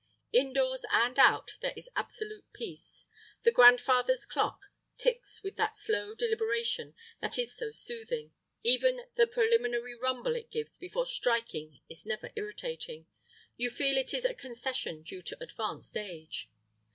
Indoors and out there is absolute peace. The grandfather's clock ticks with that slow deliberation that is so soothing; even the preliminary rumble it gives before striking is never irritating—you feel it is a concession due to advanced age.